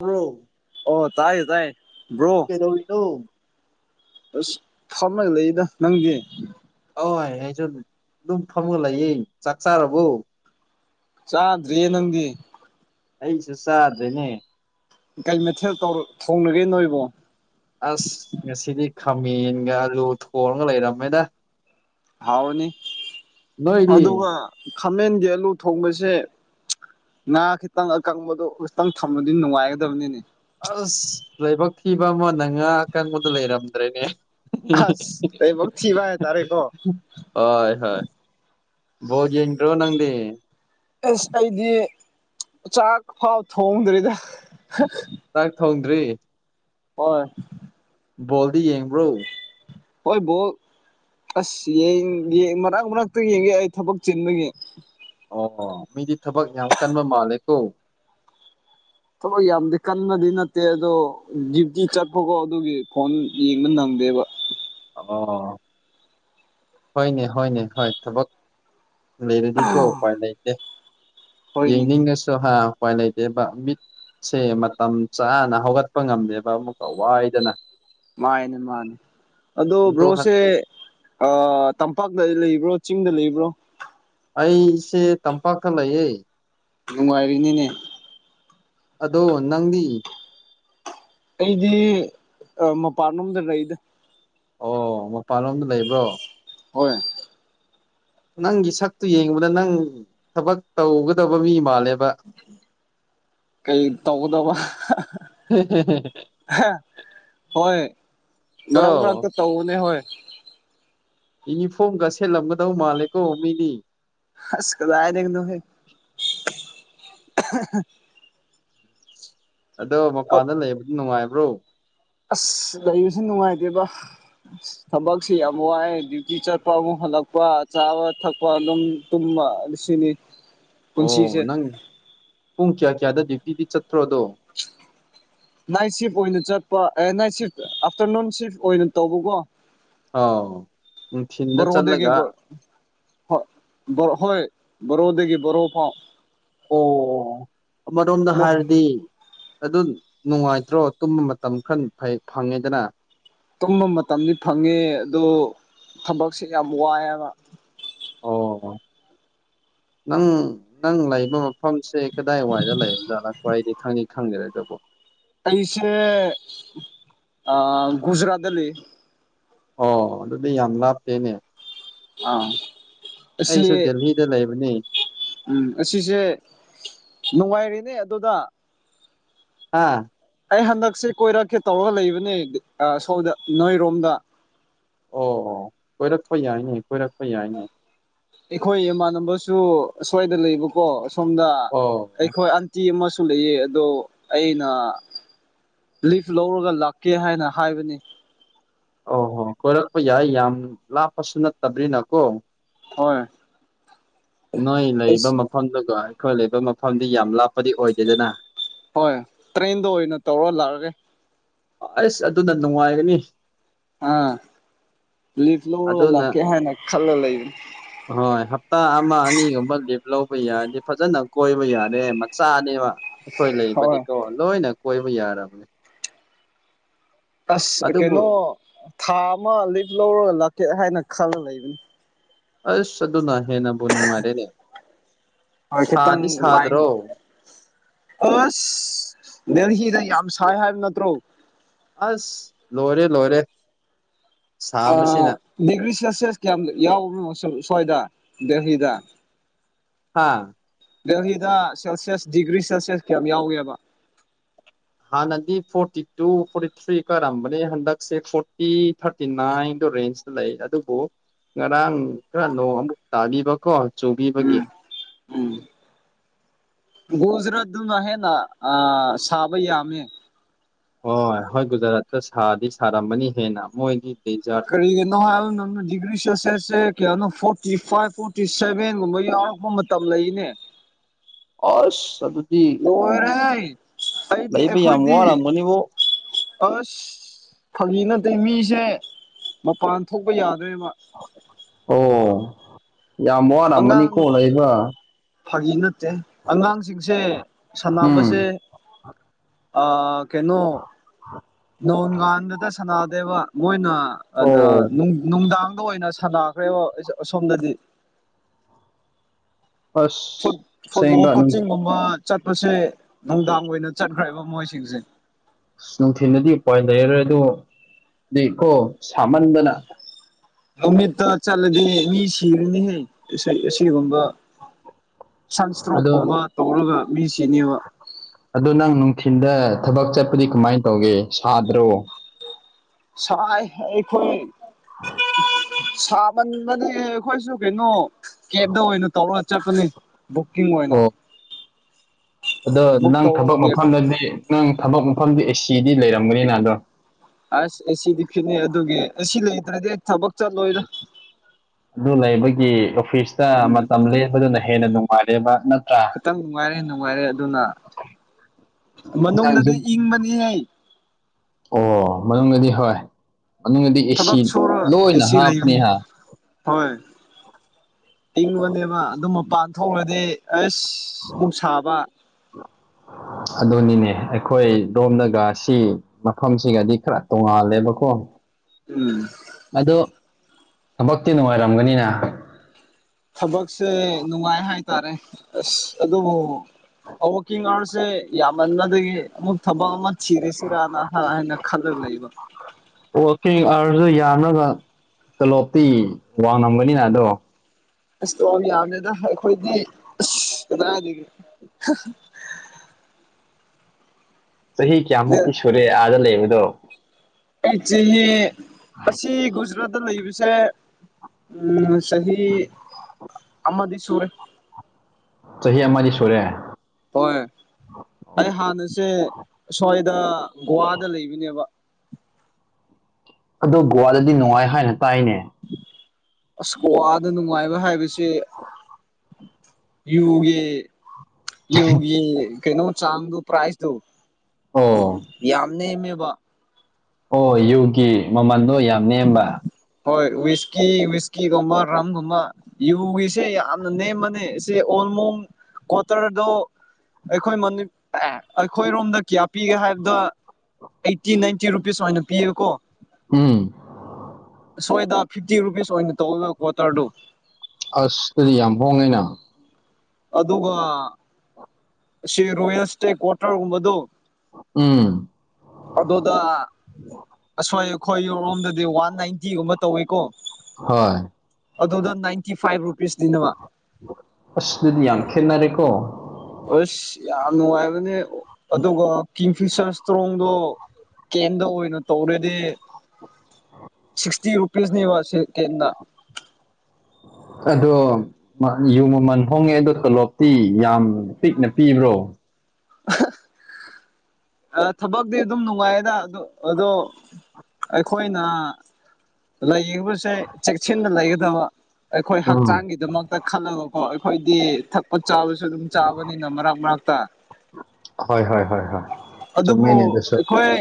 ꯍ ꯑꯣ ꯇꯥꯏ ꯇꯥꯏ ꯀꯩꯗꯧꯔꯤꯅꫭ ꯑꯁ ꯐꯝꯃꯥ ꯂꯩꯗ ꯅꯪꯒꯤ ꯑꯩꯁꯨ ꯑꯗꯨꯝ ꯐꯝꯒ ꯂꯩꯌꯦ ꯆꯥꯛ ꯆꯥꯔꯕ ꯆꯥꯗ꯭ꯔꯤ ꯅꯪꯗꯤ ꯑꯩꯁꯨ ꯆꯥꯗꯅꯦ ꯀꯔꯤ ꯃꯊꯦꯜ ꯊꯣꯡꯂꯒꯦ ꯅꯣꯏꯕꯣ ꯑꯁ ꯉꯁꯤꯗꯤ ꯈꯥꯃꯦꯟꯒ ꯂꯨ ꯊꯣꯡꯒ ꯂꯩꯔꯝꯃꯦꯗ ꯍꯥꯎꯅꯤ ꯅꯣꯏꯗꯤ ꯑꯗꯨꯒ ꯈꯥꯃꯦꯟꯒꯤ ꯑꯂꯨ ꯊꯣꯡꯕꯁꯦ ꯉꯥ ꯈꯤꯇꯪ ꯑꯀꯪꯕꯗꯣ ꯈꯤꯇꯪ ꯊꯝꯝꯕꯗꯤ ꯅꯨꯡꯉꯥꯏꯒꯗꯕꯅꯤꯅꯦ ꯑꯁ ꯂꯥꯏꯕꯛ ꯊꯤꯕ ꯑꯃꯅ ꯉꯥ ꯑꯀꯟꯕꯗꯨ ꯂꯩꯔꯝꯗ꯭ꯔꯦꯅꯦ ꯑꯁ ꯂꯥꯏꯕꯛ ꯊꯤꯕ ꯍꯥꯏꯇꯥꯔꯦꯀꯣ ꯍꯣꯏ ꯍꯣꯏ ꯕꫭꯜ ꯌꯗꯔꫭ ꯅꯪꯗꯤ ꯑꯦꯁ ꯑꯩꯗꯤ ꯆꯥꯛ ꯐꯥꯎ ꯊꯣꯡꯗ꯭ꯔꯤꯗꯥ ꯆꯥꯛ ꯊꯣꯡꯗ꯭ꯔꯤ ꯍꯣꯏ ꯕꯣꯜꯗꯤ ꯌꯦꯡꯕ꯭ꯔꯣ ꯍꯣꯏ ꯕꯣꯜ ꯑꯁ ꯌꯦ ꯃꯛ ꯃꯅꯥꯛꯇ ꯌꯦꯡꯒꯦ ꯑꯩ ꯊꯕꯛ ꯆꯤꯟꯕꯒꯤ ꯑꯣ ꯃꯤꯗꯤ ꯊꯕꯛ ꯌꯥꯝ ꯀꯟꯕ ꯃꯥꯜꯂꯦꯀꯣ ꯊꯕꯛ ꯌꯥꯝꯗꯤ ꯀꯟꯕꯗꯤ ꯅꯠꯇꯦ ꯑꯗꯣ ꯗꯨꯇꯤ ꯆꯠꯄꯀꯣ ꯑꯗꯨꯒꯤ ꯐꯣꯟ ꯌꯦꯡꯕ ꯅꯪꯉ ꯗꯦꯕ ꯑꯣ ꯍꯅꯦ ꯍꯅꯦ ꯍ ꯊꯛ ꯂꯩꯔꯗꯤꯀꯣ ꯎꯄꯥꯏ ꯂꯩꯇꯦ ꯍꯣꯏꯅꯦ ꯌꯦꯡꯅꯤꯡꯉꯁꯨꯍꯥꯎ ꯎꯄꯥꯏ ꯂꯩꯗꯦꯕ ꯃꯤꯠ ꯁꯦ ꯃꯇꯝ ꯆꯥꯅ ꯍꯧꯒꯠꯄ ꯉꯝꯃꯦꯕ ꯑꯃꯨꯛꯀ ꯋꯥꯏꯗꯅ ꯃꯥꯅꯦ ꯃꯥꯅꯦ ꯑꯗꯣ ꯕ꯭ꯔꯣꯁꯦ ꯇꯝꯄꯥꯛꯇꯗꯤ ꯂꯩꯕ꯭ꯔꯣ ꯆꯤꯡꯗ ꯂꯩꯕ꯭ꯔꯣ ꯑꯩꯁꯦ ꯇꯝꯄꯥꯛꯀ ꯂꯩꯌꯦ ꯅꯨꯡꯉꯥꯏꯔꯤꯅꯤꯅꯦ ꯑꯗꯣ ꯅꯪꯗꯤ ꯑꯩꯗꯤ ꯃꯄꯥꯟꯣꯝꯗ ꯂꯩꯗ ꯑꯣ ꯃꯄꯥꯟꯂꯣꯝꯗ ꯂꯩꯕ꯭ꯔꯣ ꯍꯣꯏ ꯅꯪꯒꯤ ꯁꯛꯇꯨ ꯌꯦꯡꯨꯕꯗ ꯅꯪ ꯊꯕꯛ ꯇꯧꯒꯗꯕ ꯃꯤ ꯃꯥꯜꯂꯦꯕ ꯀꯩ ꯇꯧꯒꯗꯕ ꯍꯣꯏ ꯀꯣ ꯃꯔꯒ ꯃꯔ ꯇꯧ ꯍꯣꯏ ꯌꯨꯅꯤꯐꯣꯔꯝꯒ ꯁꯦꯠꯂꯝꯒꯗꯧ ꯃꯥꯜꯂꯦꯀꯣ ꯃꯤꯅꯤ ꯑꯁ ꯀꯗꯥ ꯂꯩ ꯅ ꯍꯦ ꯑꯗꯣ ꯃꯄꯥꯟꯗ ꯂꯩꯕꯗꯨ ꯅꯨꯡꯉꯥꯏꯕ꯭ꯔꯣ ꯑꯁ ꯂꯩꯕꯁꯨ ꯅꯨꯡꯉꯥꯏꯇꯦꯕ ꯑ ꯊꯕꯛꯁ ꯌꯥꯝ ꯋꯥꯏꯦ ꯗ꯭ꯌꯨꯇꯤ ꯆꯠꯄ ꯑꯃꯨꯛ ꯍꯜꯂꯛꯄ ꯆꯥꯕ ꯊꯛꯄ ꯑꯗꯨꯝ ꯇꯨꯝꯕ ꯑꯁꯤꯅꯤ ꯑꯣ ꯅꯪ ꯄꯨꯡ ꯀꯌꯥ ꯀꯌꯥꯗ ꯗ꯭ꯌꯨꯇꯤꯗꯤ ꯆꯠꯇ꯭ꯔꯣꯗꯣ [unintelligible] ꯅꯥꯏꯠ ꯁꯤꯐ ꯑꯣꯏꯅ ꯆꯠꯄ ꯑꯦ ꯅꯥꯏꯠ ꯁꯤꯐ ꯑꯥꯐꯇꯔꯅꯨꯟ ꯁꯤꯐ ꯑꯣꯏꯅ ꯇꯧꯕꯀꯣ ꯑꯥꯎ ꯅꯨꯡꯊꯤꯜꯗ ꯆꯠꯂꯒ ꯍ ꯍꯣꯏ ꯣꯔꯣꯑꯣꯗꯒꯤꯒ ꯣꯔꯣꯑꯣ ꯄꯥꯎ ꯑꯣ ꯑꯃꯔꯣꯝꯗ ꯑꯃꯨꯛ ꯍꯥꯏꯔꯗꯤ ꯑꯗꯨ ꯅꯨꯡꯉꯥꯏꯇ꯭ꯔꯣ ꯇꯨꯝꯕ ꯃꯇꯝ ꯈꯔ ꯐꯪꯉꯦꯗꯅ ꯇꯨꯝꯕ ꯃꯇꯝꯗꯤ ꯐꯪꯉꯦ ꯑꯣ ꯊꯕꯛꯁꯦ ꯌꯥꯝ ꯋꯥꯏꯑꯕ ꯑꯣ ꯅꯪ ꯅꯪ ꯂꯥꯛꯕ ꯃ ꯃꯐꯝꯁꯦ ꯀꯗꯥꯏ ꯋꯥꯋꯥꯏꯗ ꯂꯩ ꯑꯣꯖꯥ ꯂꯥꯛꯄꯣ ꯑꯩꯗꯤ ꯈꯪꯉꯤ ꯈꯪꯗ꯭ꯔꯦ ꯑꯗꯨꯕꯣ ꯑꯩꯁꯦ ꯒꯎꯖꯔꯥꯠ ꯑꯜꯂꯤ ꯑꯣ ꯑꯗꯨꯗꯤ ꯌꯥꯝ ꯂꯥꯞꯇꯦꯅꯦ ꯑꯥ [unintelligible] [inaudible] ꯑꯁꯤ ꯑꯩꯁꯨ ꯗꯦꯜꯂꯤꯗ ꯂꯩꯕꯅꯤ ꯎꯝ ꯑꯁꯤꯁꯦ ꯅꯨꯡꯉꯥꯏꯔꯤꯅꯦ ꯑꯗꯨꯗ ꯑꯥ [inaudible] ꯑꯩ ꯍꯟꯗꯛꯁꯦ ꯀꯣꯏꯔꯛꯀꯦ ꯇꯧꯔꯒ ꯂꯩꯕꯅꯦ ꯁꯣꯝꯗ ꯅꯣꯏꯔꯣꯝꯗ ꯑꯣ ꯑꯣ ꯀꯣꯏꯔꯛꯄ ꯌꯥꯏꯅꯦ ꯀꯣꯏꯔꯛꯄ ꯌꯥꯏꯅꯦ ꯑꯩꯈꯣꯏ ꯏꯃꯥꯟꯅꯕꯁꯨ ꯑꯁ꯭ꯋꯥꯏꯗ ꯂꯩꯕꯀꯣ ꯑ ꯁꯣꯝꯗ ꯑꯣ ꯑꯩꯈꯣꯏ ꯑꯟꯇꯤ ꯑꯃꯁꯨ ꯁꯨ ꯂꯩꯌꯦ ꯑꯗꯣ ꯑꯩꯅ ꯂꯤꯐ ꯂꯧꯔꯒ ꯂꯥꯛꯀꯦ ꯍꯥꯏꯅ ꯍꯥꯏꯕꯅꯤ ꯑꯣ ꯍꯣ ꯀꯣꯏꯔꯛꯄ ꯌꯥꯏ ꯌꯥꯝ ꯂꯥꯞꯄꯁꯨ ꯅꯠꯇꯕꯅꯤꯅꯀꯣ ꯍꯣꯏ [inaudible] ꯅꯣꯏ ꯂꯩꯕ ꯑꯁ ꯃꯐꯝꯗꯨꯒꯣ ꯑꯩꯈꯣꯏ ꯂꯩꯕ ꯃꯐꯝꯗꯤ ꯌꯥꯝ ꯂꯥꯞ ꯍꯣꯏ ꯇ꯭ꯔꯦꯟꯗꯣ ꯑꯣꯏꯅ ꯇꯧꯔ ꯂꯥꯛꯑꯒꯦ ꯑꯁ ꯑꯗꯨꯗ ꯅꯨꯡꯉꯥꯏꯒꯅꯤ ꯑꯥ ꯂꯤꯠ ꯂꯧꯔꯂ ꯑꯗꯨꯅ ꯀꯦ ꯍꯥꯏꯦꯅ ꯈꯜꯂ ꯂꯩ ꯂꯩ ꯍꯣꯏ ꯍꯞꯇꯥ ꯑꯃ ꯑꯅꯤꯒꯨꯝꯕꯞ ꯂꯧꯕ ꯌꯥꯔꯗꯤ ꯐꯖꯅ ꯀꯣꯏꯕ ꯌꯥꯔꯦ ꯃꯆꯥꯅꯦꯕ ꯑꯩꯈꯣꯏ ꯍꯣꯏ ꯂꯩꯕꯗꯤꯀꯣ ꯂꯣꯏꯅ ꯑꯩꯣꯏ ꯕ ꯌꯥꯔꯅꯦ ꯑꯁ ꯀꯩꯅꯣ ꯊꯥ ꯑꯃ ꯂꯤꯞ ꯂꯧꯔꯒ ꯂꯥꯛꯀꯦ ꯍꯥꯏꯅ ꯈꯜꯂ ꯂꯩꯕꯅꯤ ꯑꯁ ꯑꯗꯨꯅ ꯍꯦꯟꯅꯕꯨ ꯅꯨꯡꯉꯥꯏꯔꯦꯅꯦ ꯍꯣꯏꯦꯇꯪ ꯁꯥꯗꯤ ꯁꯥꯗ꯭ꯔꯣ ꯑꯁ ꯗ ꯍ ꯌꯥꯝ ꯁꯥꯏ ꯍꯥꯏꯕ ꯅꯠꯇ꯭ꯔꯣ ꯑꯁ ꯂꯔꯦ ꯂꯔꯦ ꯑ ꯗꯤꯒ꯭ꯔꯤ ꯁꯦꯜꯁꯤꯌꯁ ꯀꯌꯥꯝ ꯌꯥꯎꯕꯅ ꯁ꯭ꯋꯥꯏꯗ ꯗꯦꯍꯤꯗ ꯍꯥꯥ [unintelligible] [inaudible] ꯗꯦꯍꯤꯗ ꯁꯦꯜꯁꯤꯌꯁ ꯗꯤꯒ꯭ꯔꯤ ꯁꯦꯜꯁꯤꯌꯁ ꯀꯌꯥꯝ ꯌꯥꯎꯏꯕ ꯍꯥꯟꯅꯗꯤ ꯐꯣꯔꯇꯤ ꯇꯨ ꯐꯣꯔꯇꯤ ꯊ꯭ꯔꯤ ꯀꯥꯔꯝꯕꯅꯦ ꯍꯟꯗꯛꯁꯦ ꯐꯣꯔꯇꯤ ꯊꯥꯔꯇꯤ ꯅꯥꯏꯟꯗ ꯔꯦꯟꯁ ꯂꯩ ꯑꯗꯨꯕꯨ ꯉꯔꯥꯡ ꯈꯔ ꯅꯣꯡ ꯑꯃꯨꯛ ꯇꯥꯕꯤꯕꯀꯣ ꯆꯨꯕꯤꯕꯒꯤ ꯎꯝ [unintelligible] [inaudible] ꯣꯖꯔꯠ ꯟ ꯍꯥꯏ ꯅ ꯑ ꯁꯥꯕꯌꯥꯃꯦ ꯍ ꯍꯣꯏ ꯒꯨꯖꯔꯥꯠꯇ ꯁꯥꯗꯤ ꯁꯥꯔꯝꯝꯕꯅꯤ ꯍꯦꯟꯅ ꯃꯣꯏꯗꯤ ꯗꯦꯖꯥꯔꯠ ꯄꯔꯤ ꯅꯣ ꯍꯥꯜ ꯅꯅ ꯗꯤꯒ꯭ꯔꯤ ꯁꯣꯜꯁꯤꯌꯁꯦ ꯀꯌꯥꯅꯣ ꯐꯣꯔꯇꯤ ꯐꯥꯏꯚ ꯐꯣꯔꯇꯤ ꯁꯦꯚꯦꯟꯒꯨꯝꯕ ꯌꯥꯎꯔꯛꯄ ꯃꯇꯝ ꯂꯩꯅꯦ ꯍ ꯆ [unintelligible] [inaudible] ꯂ ꯑꯣꯏꯔ ꯑꯩꯗꯤ ꯂꯩꯕ ꯌꯥꯝ ꯑꯩꯈꯣꯏꯗꯤ ꯋꯥꯔꯝꯒꯅꯤꯕꯣ ꯑꯁ ꯐꯒꯤꯅ ꯑꯗꯩ ꯃꯤꯁꯦ ꯃꯄꯥꯟ ꯊꯣꯛꯄ ꯌꯥꯗ꯭ꯔꯦꯕ ꯑꯣ ꯌꯥꯝ ꯋꯥꯔꯝꯃꯅꯤ ꯑꯉꯥꯡ ꯈꯣ ꯂꯩꯕ ꯐꯥꯒꯤ ꯅꯠꯇꯦ ꯑꯉꯥꯡꯁꯤꯡꯁꯦ ꯁꯥꯟꯕꯁꯦ ꯎꯝ ꯀꯩꯅꯣ ꯅꯣꯡꯀꯥꯟꯗꯗ ꯁꯅꯥꯗꯦꯕ ꯃꯣꯏꯅ ꯑꯗ ꯑꯣ ꯅꯨꯡꯗꯥꯡꯗ ꯑꯣꯏꯅ ꯁꯥꯟꯅꯈ꯭ꯔꯦꯕ ꯑꯁꯣꯝꯗꯗꯤ ꯐ ꯑꯁ ꯐꯨꯠꯕꯣꯜ ꯑꯁꯦꯡꯕ ꯀꯣꯆꯤꯡ ꯃꯨꯝꯕ ꯆꯠꯄꯁꯦ ꯅꯨꯡꯗꯥꯡ ꯑꯣꯏꯅ ꯆꯠꯈ꯭ꯔꯦꯕ ꯃꯣꯏꯁꯤꯡꯁꯦ ꯁ ꯅꯨꯡꯊꯤꯟꯗꯗꯤ ꯎꯄꯥꯏ ꯂꯩꯔꯔꯣꯏ ꯑꯗꯨ ꯗꯤ ꯀꯣ ꯁꯥꯃꯟꯗꯅ ꯍꯧꯃꯤꯠꯇ ꯆꯠꯂꯗꯤ ꯃꯤ ꯁꯤꯔꯅꯤꯍꯦ ꯁꯤ ꯑꯁꯤꯒꯨꯝꯕ ꯑꯗꯣ ꯁꯟꯁꯇ꯭ꯔꯣꯛꯀꯨꯝꯕ ꯇꯧꯔꯒ ꯃꯤꯁꯤꯅꯦꯕ ꯑꯗꯨ ꯅꯪ ꯅꯨꯡꯊꯤꯜꯗ ꯊꯕꯛ ꯆꯠꯄꯗꯤ ꯀꯃꯥꯏ ꯇꯧꯒꯦ ꯁꯥꯗ꯭ꯔꯣ ꯁꯥꯏ ꯑꯩꯈꯣꯏ ꯁꯥꯃꯟꯕꯅꯦ ꯑꯈꯣꯏꯁꯨ ꯀꯩꯅꯣ ꯀꯦꯞꯇ ꯑꯣꯏꯅ ꯇꯧꯔ ꯆꯠꯄꯅꯦ ꯕꯨꯀꯤꯡ ꯑꯣꯏꯅ ꯑꯣ ꯑꯗꯣ ꯕꯨꯛ ꯅꯪ ꯇꯧꯔ ꯊꯕꯛ ꯀꯦꯞ ꯃꯐꯝꯗꯗꯤ ꯅꯪ ꯊꯕꯛ ꯃꯐꯝꯗꯤ ꯑꯦꯁꯤꯗꯤ ꯂꯩꯔꯝꯒꯅꯤꯅ ꯑꯗꯣ ꯑꯁ ꯑꯦꯁꯤꯗꯤ ꯐꯤꯠꯅꯩ ꯑꯗꯨꯒꯤ ꯑꯦꯁꯤ ꯂꯩꯇ꯭ꯔꯦ ꯊꯕꯛ ꯆꯠꯂꯣꯏꯗ ꯑꯗꯨ ꯂꯩꯕꯒꯤ ꯑꯣꯐꯤꯁꯇ ꯎꯝ ꯃꯇꯝ ꯂꯦꯞꯄꯗꯨꯅ ꯍꯦꯟꯅ ꯅꯨꯡ ꯄꯥꯔꯦꯕ ꯅꯠ ꯈꯤꯇꯪ ꯅꯨꯡꯉꯥꯏꯔꯦ ꯅꯨꯡꯉꯥꯏꯔꯦ ꯑꯗꯨꯅ ꯅꯪ ꯃꯅꯨꯡꯗꯗꯤ ꯌꯨꯝ ꯏꯪꯕꯅꯤꯍꯦ ꯑꯣ ꯃꯅꯨꯡꯗꯗꯤ ꯍꯣꯏ ꯃꯅꯨꯡꯗꯗꯤ ꯑꯦꯁꯤ ꯊꯕꯛ ꯁꯨꯔ ꯂꯣꯏꯅ ꯑꯦꯁꯤ ꯂꯩꯕꯅꯤ ꯍꯥꯞꯄꯅꯤꯍꯦ ꯍꯣꯏ ꯏꯪꯕꯅꯦꯕ ꯑꯗꯨ ꯃꯄꯥꯟ ꯊꯣꯛꯂꯗꯤ ꯑꯩꯁ ꯑꯗꯣꯅꯤꯅꯦ ꯑꯩꯈꯣꯏ ꯗꯣꯝꯗꯒꯁꯤ ꯃꯐꯝꯁꯤꯒꯗꯤ ꯈꯔ ꯇꯣꯡꯉꯥꯜꯂꯦꯕꯀꯣ ꯎꯝ ꯑꯗꯣ ꯊꯕꯛꯇꯤ ꯅꯨꯡꯉꯥꯏꯔꯝꯒꯅꯤꯅ ꯊꯕꯛꯁꯦ ꯅꯨꯡꯉꯥꯏ ꯍꯥꯏꯇꯥꯔꯦ ꯑꯁ ꯑꯗꯨꯕꯨ ꯋꯥꯀꯤꯡ ꯑꯥꯋꯥꯔꯁꯦ ꯌꯥꯝꯃꯟꯕ ꯗꯨꯒꯤ ꯑꯃꯨꯛ ꯊꯕꯛ ꯑꯃ ꯊꯤꯔꯁꯤꯔꯥ ꯅ ꯍꯥꯏ ꯅ ꯈꯜꯂ ꯂꯩꯕ ꯈꯔꯁꯨ ꯌꯥꯅꯕ ꯇꯣꯂꯣꯞꯇꯤ ꯋꯥꯡꯉꯝꯒꯅꯤꯅ ꯑꯗꯣ ꯑꯁ ꯇꯣꯂꯣꯞ ꯌꯥꯝꯃꯦꯗ ꯑꯈꯣꯏꯗꯤ ꯑꯁ ꯀꯗꯥꯏꯗꯒꯤ ꯍꯥ ꯍꯥ ꯆꯍꯤ ꯀꯌꯥꯃꯨꯛꯇꯤ ꯁꯨꯔꯦ ꯑꯥꯗ ꯂꯩꯕꯗꯣ ꯑꯩ ꯆꯦꯍꯤ ꯑꯁꯤ ꯒꯨꯖꯔꯥꯠꯇ ꯂꯩꯕꯁꯦ ꯎꯝ ꯆꯍꯤ ꯑꯃꯗꯤ ꯁꯨꯔꯦ ꯆꯍꯤ ꯑꯃꯗꯤ ꯁꯨꯔꯦ ꯍꯣꯏ ꯑꯩ ꯍꯥꯟꯅꯁꯦ ꯁ꯭ꯋꯥꯏꯗ ꯒꯣꯋꯥꯗ ꯂꯩꯕꯅꯦꯕ ꯑꯗꯣ ꯒꯣꯋꯥꯗꯗꯤ ꯅꯨꯡꯉꯥꯏ ꯍꯥꯏꯅ ꯇꯥꯏꯅꯦ ꯑꯁ ꯒꯣꯋꯥꯗ ꯅꯨꯡꯉꯥꯏꯕ ꯍꯥꯏꯕꯁꯦ ꯌꯨꯒꯤ ꯌꯨꯒꯤ ꯀꯩꯅꯣ ꯆꯥꯡꯗꯨ ꯄ꯭ꯔꯥꯏꯁꯇꯨ ꯑꯣ ꯌꯥꯝ ꯅꯦꯃꯦꯕ ꯑꯣ ꯌꯨꯒꯤ ꯃꯃꯟꯗꯣ ꯌꯥꯝ ꯅꯦꯝꯕ ꯍꯣꯏ ꯋꯤꯁꯀꯤ ꯋꯤꯁꯀꯤꯒꯨꯝꯕ ꯔꯝꯒꯨꯝꯕ ꯌꯨꯒꯤꯁꯦ ꯌꯥꯝꯅ ꯅꯦꯝꯃꯅꯦ ꯁꯦ ꯑꯣ ꯒꯨꯜꯃꯨꯡ ꯀꯋ꯭ꯥꯇꯔꯗꯣ ꯑꯩꯈꯣꯏ ꯃꯅꯤꯞ ꯑꯥ ꯑꯩꯈꯣꯏꯔꯣꯝꯗ ꯀꯌꯥ ꯄꯤꯒꯦ ꯍꯥꯏꯕꯗ ꯑꯩꯠꯇꯤ ꯅꯥꯏꯟꯇꯤ ꯔꯨꯄꯤꯁ ꯁꯨꯃꯥꯏꯅ ꯄꯤꯌꯦꯀꯣ ꯎꯝ ꯑꯥꯁꯋꯥꯏꯗ ꯐꯤꯐꯇꯤ ꯔꯨꯄꯤꯁ ꯑꯣꯏꯅ ꯇꯧꯋꯦꯕ ꯀ꯭ꯋꯥꯇꯔꯗꯣ ꯑꯁ ꯑꯗꯨꯗꯤ ꯌꯥꯝ ꯍꯣꯡꯉꯦꯅ ꯑꯗꯨꯒ ꯁꯤ ꯔꯣꯌꯦꯁꯇꯦꯛ ꯀ꯭ꯋꯥꯇꯔ ꯒꯨꯝꯕꯗꯣ ꯎꯝ ꯑꯗꯨꯗꯥ ꯑꯁꯋꯥꯏ ꯈꯣꯏ ꯌꯣꯔꯣꯝꯗꯗꯤ ꯋꯥꯟ ꯅꯥꯏꯟꯇꯤꯒꯨꯝꯕ ꯇꯧꯋꯤꯀꯣ ꯍꯣꯏ ꯑꯗꯨꯗ ꯅꯥꯏꯟꯇꯤ ꯐꯥꯏꯚ ꯔꯨꯄꯤꯁ ꯗꯤꯅꯕ ꯈꯦꯅꯔꯦꯀꯣ ꯑꯁ ꯌꯥꯝ ꯅꯨꯡꯉꯥꯏꯕꯅꯦ ꯑꯗꯨꯒ ꯐꯤꯁꯔ ꯏꯁꯇ꯭ꯔꯣꯡꯗꯣ ꯀꯦꯟꯗ ꯑꯣꯏꯅ ꯇꯧꯔꯦꯗꯤ ꯐꯤ ꯔꯨꯄꯤꯁ ꯅꯤ ꯋꯥꯔꯁ ꯀ ꯑꯗꯣ ꯌꯨꯝ ꯃꯃꯜ ꯍꯣꯡꯉꯦ ꯑꯗꯣ ꯇꯣꯂꯣꯞꯇꯤ ꯌꯥꯝ ꯄꯤꯛꯅ ꯄꯤꯕ꯭ꯔꯣ [unintelligible] ꯊꯕꯛꯇꯤ ꯑꯗꯨꯝ ꯅꯨꯡꯉꯥꯏꯌꯦꯗ ꯑꯗꯣ ꯑꯩꯈꯣꯏꯅ ꯂꯩꯡꯕꯁꯦ ꯆꯦꯛꯁꯤꯟꯅ ꯂꯩꯒꯗꯕ ꯑꯩꯈꯣꯏ ꯎꯝ ꯍꯛꯆꯥꯡꯒꯤꯗꯃꯛꯇ ꯈꯜꯂꯒꯀꯣ ꯑꯩꯈꯣꯏꯗꯤ ꯊꯛꯄ ꯆꯥꯕꯁꯨ ꯑꯗꯨꯝ ꯆꯥꯕꯅꯤꯅ ꯃꯔꯛ ꯃꯔꯛꯇ ꯍꯣꯏ ꯍꯣꯏ ꯍꯣꯏ ꯍꯣꯏ ꯑꯗꯨꯕꯨ ꯆꯨꯝꯃꯤꯅꯦ ꯑꯗꯨꯁꯨ ꯑꯩꯈꯣꯏ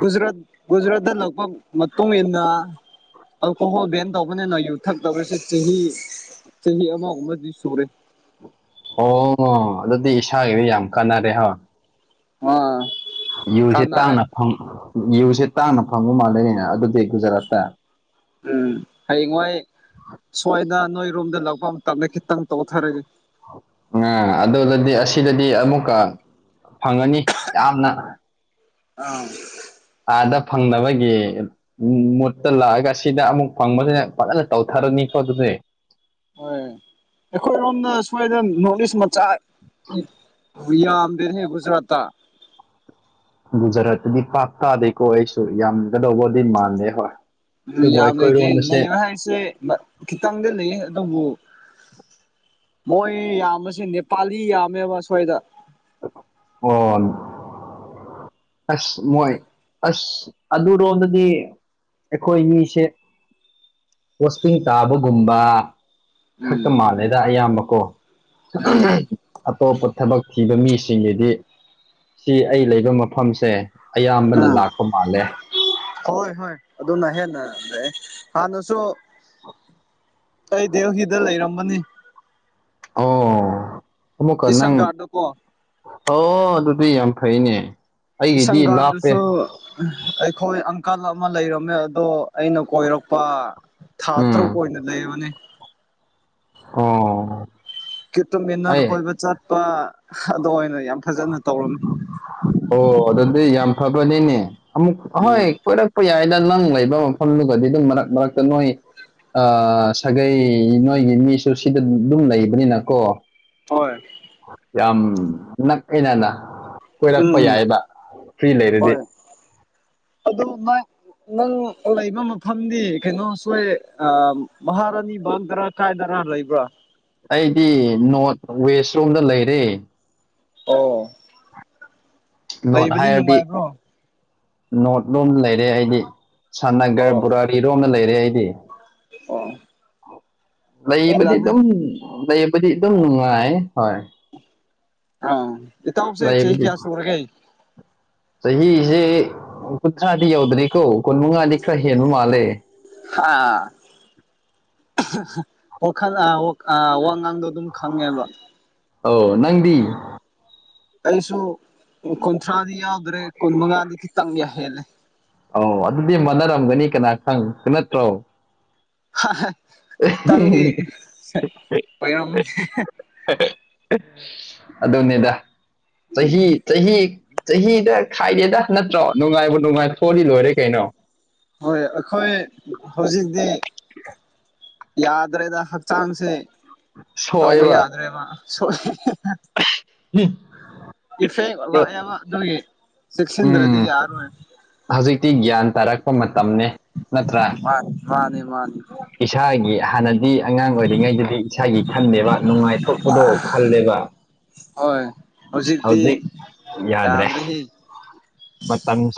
ꯒꯨꯖꯔꯥꯠ ꯨꯖꯔꯥꯠ ꯗ ꯂꯛꯄ ꯃꯣꯝ ꯌꯦꯟꯅ ꯑꯜꯀꯣꯍꯣꯜ ꯕꯦꯟ ꯇꯧꯕꯅꯦꯅ ꯌꯨꯊꯛ ꯇꯧꯁꯦ ꯆꯍꯤ ꯆꯍꯤ ꯑꯃꯒꯨꯝꯅꯗꯤ ꯁꯨꯔꯦ ꯑꯣ ꯑꯗꯨꯗꯤ ꯏꯁꯥꯒꯤꯗꯤ ꯌꯥꯝ ꯀꯥꯟꯅꯔꯦ ꯍꯣꯏ ꯑ ꯌꯨꯁꯦ ꯇꯥꯡꯅ ꯐꯨ ꯁꯤꯦ ꯇꯥꯡꯅ ꯐꯪꯕ ꯃꯥꯜꯂꯅꯤꯅꯦ ꯑꯗꯨꯗꯤ ꯒꯨꯖꯔꯥꯠꯇ ꯎꯝ ꯍꯌꯦꯡꯋꯥꯣꯏ ꯁꯋꯥꯗ ꯔꯣꯝꯗ ꯂꯥꯛꯄ ꯌꯥꯝ ꯇꯝꯃꯦ ꯈꯈꯤꯠꯇꯝ ꯇꯣ ꯀꯣꯊꯔꯦ ꯎꯝ ꯑꯗꯨꯗꯗꯤ ꯑꯁꯤꯗꯗꯤ ꯑꯃꯨꯛꯀ ꯐꯪꯉꯅꯤ ꯌꯥꯝꯅ ꯑꯥ ꯑꯥꯗ ꯐꯪꯅꯕꯒꯤ ꯃꯨꯠꯇ ꯂꯥꯛꯑꯒ ꯁꯤꯗ ꯑꯃꯨꯛ ꯐꯪꯕꯁꯤꯅ ꯐꯖꯅ ꯇꯧꯊ ꯇꯔꯣ ꯅ ꯀꯣ ꯑꯗꯨꯅꯦ ꯍꯣꯏ ꯑꯩꯈꯣꯏꯔꯣꯝꯗ ꯁ꯭ꯋꯥꯏꯗ ꯅꯣꯔꯠ ꯏꯁ ꯃꯆꯥ ꯌꯥ ꯑꯝꯗꯦꯔ ꯍ ꯨꯖꯔ ꯇ ꯒꯨꯖꯔꯥꯠꯇꯗꯤ ꯄꯥꯥꯛ ꯇꯥꯗꯦꯀꯣ ꯑꯩꯁꯨ ꯌꯥꯝꯒꯗꯧꯕꯗꯤ ꯃꯥꯟꯂꯦ ꯍꯣꯏ ꯑꯗꯨꯕꯨ ꯌꯥꯥꯕ ꯂꯩꯇꯦ ꯑꯩꯈꯣꯏꯔꯣꯝꯗꯁꯦ ꯈꯈꯤꯇꯪꯗ ꯑꯗꯨꯕꯨ ꯃꯣꯏ ꯌꯥꯝꯕꯁꯦ ꯅꯦꯄꯥꯂꯤ ꯌꯥꯝꯃꯦꯕ ꯑꯁ꯭ꯣꯏꯏꯗ ꯑꯣꯟ ꯑꯁ ꯃꯣꯏ ꯑꯁ ꯑꯗꯨꯔꯣꯝꯗꯗꯤ ꯑꯩꯈꯣꯏ ꯃꯤꯁꯦ ꯄꯣꯁꯇꯤꯡ ꯇꯥꯕꯒꯨꯝꯕ ꯎꯝ ꯈꯛꯇ ꯃꯥꯜꯂꯦꯗ ꯑꯌꯥꯝꯕꯀꯣ ꯎꯝ ꯑꯇꯣꯞꯄ ꯊꯕꯛ ꯊꯤꯕ ꯃꯤꯁꯤꯡꯗꯤ ꯁꯤ ꯑꯩ ꯂꯩꯕ ꯃꯐꯝꯁꯦ ꯑꯌꯥꯝꯕꯅ ꯎꯝ ꯂꯥꯛꯄ ꯃꯥꯜꯂꯦ ꯍꯣꯏ ꯍꯣꯏ ꯑꯗꯨꯅ ꯍꯦꯟꯅꯩ ꯍꯥꯟꯅꯁꯨ ꯑꯩ ꯗꯦꯁꯤꯗ ꯂꯩꯔꯝꯕꯅꯤ ꯑꯣ ꯑꯃꯀ ꯅꯪ ꯀꯤꯁꯟꯒꯥꯔꯗꯀꯣ ꯑꯣ ꯑꯗꯨꯗꯤ ꯌꯥꯝ ꯐꯩꯅꯦ ꯑꯩꯒꯤꯗꯤ ꯂꯥꯞꯄꯦ ꯀꯤꯁꯪꯒꯥꯔꯗꯁꯨ ꯑꯩꯈꯣꯏ ꯀꯜ ꯑꯃ ꯂꯩꯔꯝꯃꯦ ꯑꯗꯣ ꯑꯩꯅ ꯀꯣꯏꯔꯛꯄ ꯊꯥ ꯎꯝ ꯇꯔꯨꯛ ꯑꯣꯏꯅ ꯂꯩꯔꯕꯅꯤ ꯑꯣ ꯀꯈꯤꯇ ꯃꯤꯟꯅꯔ ꯑꯩ ꯀꯣꯏꯕ ꯆꯠꯄ ꯑꯗꯨꯗꯣ ꯑꯣꯏꯅ ꯌꯥꯝ ꯐꯖꯅ ꯇꯧꯔꯝꯃꯤ ꯑꯣ ꯑꯗꯨꯗꯤ ꯌꯥꯝ ꯐꯕꯗꯤꯅꯦ ꯑꯃꯨꯛ ꯍꯍꯣꯏ ꯎꯝ ꯀꯣꯏꯔꯛꯄ ꯌꯥꯏ ꯑꯗ ꯅꯪ ꯂꯩꯕ ꯃꯐꯝꯗꯨꯒꯗꯤ ꯑꯗꯨꯝ ꯃꯔꯛ ꯃꯔꯛꯇ ꯅꯣꯏ ꯑ ꯁꯥꯒꯩ ꯅꯣꯏꯒꯤ ꯃꯤꯁꯨ ꯁꯤꯗ ꯑꯗꯨꯝ ꯂꯩꯕꯅꯤꯅꯀꯣ ꯍꯣꯏ ꯌꯥꯝ ꯅꯛꯑꯦꯅꯅ ꯀꯣꯏꯔꯛꯄ ꯎꯝ ꯌꯥꯏꯕ ꯐ꯭ꯔꯤ ꯂꯩꯔꯗꯤ ꯍꯣꯏ ꯑꯗꯨ ꯅꯪ ꯅꯪ ꯂꯩꯕ ꯃꯐꯝꯗꯤ ꯀꯩꯅꯣꯁꯣꯏ ꯃꯍꯥꯔ ꯑꯅꯤꯕꯪꯗꯔ ꯀꯥꯏꯗꯔ ꯂꯩꯕ꯭ꯔꯥ ꯆꯣꯝꯗ ꯂꯩꯔꯦ ꯑꯣ ꯅꯣꯔꯠ ꯂꯩꯕꯅꯤ ꯍꯥꯏꯔꯗꯤ ꯅꯨꯡꯉꯥꯏꯕ꯭ꯔꯣ ꯅꯣꯔꯠ ꯂꯣꯝ ꯂꯩꯔꯦ ꯑꯩꯗꯤ ꯁꯥꯟꯅꯒꯔ ꯕꯔꯥꯔꯤ ꯂꯣꯝꯅ ꯂꯩꯔꯦ ꯑꯩꯗꯤ ꯑ ꯂꯩꯕꯗꯤ ꯑꯗꯨꯝ ꯂꯩꯕꯗꯤ ꯑꯗꯨꯝ ꯅꯨꯡꯉꯥꯏ ꯍꯣꯏ ꯑ ꯏꯇꯥꯎꯁꯦ ꯆꯍꯤ ꯂꯩꯕꯗꯤ ꯀꯌꯥ ꯁꯨꯔꯒꯦ ꯆꯍꯤꯁꯦ ꯀꯨꯟꯊ꯭ꯔꯥꯗꯤ ꯌꯧꯗ꯭ꯔꯤꯀꯣ ꯀꯨꯟ ꯃꯉꯥꯗꯤ ꯈꯔ ꯍꯦꯟꯕ ꯃꯥꯜꯂꯦ ꯍꯥꯥ ꯋꯥꯈꯜ ꯋꯥ ꯉꯥꯡꯗꯣ ꯑꯗꯨꯝ ꯈꯪꯉꯦꯕ ꯑꯥꯎ ꯅꯪꯗꯤ ꯑꯩꯁꯨ ꯀꯨꯟꯊ꯭ꯔꯥꯗꯤ ꯌꯥꯎꯗ꯭ꯔꯦ ꯀꯨꯟ ꯃꯉꯥꯗꯤ ꯈꯤꯇꯪ ꯌꯥ ꯍꯦꯜꯂꯦ ꯑꯣ ꯑꯗꯨꯗꯤ ꯃꯥꯟꯅꯔꯝꯒꯅꯤ ꯀꯅꯥ ꯈꯪ ꯅꯠꯇ꯭ꯔꯣ ꯈꯤꯇꯪꯗꯤ ꯑꯣꯏꯔꯝꯅꯦ ꯑꯗꯨꯅꯦꯗ ꯆꯍꯤ ꯆꯍꯤ ꯆꯍꯤꯗ ꯈꯥꯏꯗꯦꯗ ꯅꯠꯇ꯭ꯔꯣ ꯅꯨꯡꯉꯥꯏꯕꯨ ꯅꯨꯡꯉꯥꯏ ꯊꯣꯛꯣꯜꯂꯤ ꯂꯣꯏꯔꯦ ꯀꯩꯅꯣ ꯍꯣꯏ ꯑꯩꯈꯣꯏ ꯍꯧꯖꯤꯛꯇꯤ ꯌꯥꯗ꯭ꯔꯦꯗ ꯍꯛꯆꯥꯡꯁꯤꯦ ꯇꯧꯕ ꯁꯣꯏꯕ ꯌꯥꯗ꯭ꯔꯦꯃ ꯁꯣ ꯏꯐꯦꯛ ꯂꯥꯛꯑꯕ ꯑꯗꯨꯒꯤ ꯆꯦꯛꯁꯤꯟꯗ꯭ꯔꯗꯤ ꯎꯝ ꯌꯥꯔꯣꯏ ꯍꯧꯖꯤꯛꯇꯤ ꯒ꯭ꯌꯥꯟ ꯇꯥꯔꯛꯄ ꯃꯇꯝꯅꯤꯅꯦ ꯅꯠꯇ꯭ꯔꯥ ꯃꯥꯅꯦ ꯃꯥꯅꯦ ꯏꯁꯥꯒꯤ ꯍꯥꯟꯅꯗꯤ ꯑꯉꯥꯡ ꯑꯣꯏꯔꯤꯉꯩꯗꯗꯤ ꯏꯁꯥꯒꯤ ꯈꯟꯗꯦꯕ ꯅꯨꯡꯉꯥꯏꯊꯣꯛꯄꯗꯣ ꯈꯜꯂꯦꯕ ꯍꯣꯏ ꯍꯧꯖꯤꯗꯤ ꯍꯧꯖꯤꯛ ꯌꯥꯗ꯭ꯔꯦ ꯌꯥꯗ꯭ꯔꯔꯤ ꯃꯇꯝ